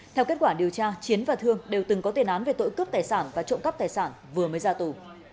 theo kết quả điều tra chiến và thương đều từng có tiền án về tội cướp tài sản và trộm cắp tài sản vừa mới ra tù